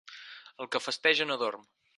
El que festeja no dorm.